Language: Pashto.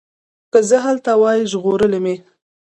که زه هلته وای ژغورلي مي